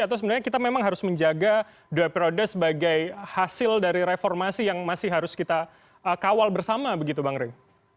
atau sebenarnya kita memang harus menjaga dua periode sebagai hasil dari reformasi yang masih harus kita kawal bersama begitu bang rey